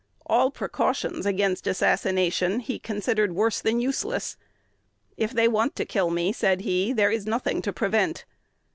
All precautions against assassination he considered worse than useless. "If they want to kill me," said he, "there is nothing to prevent."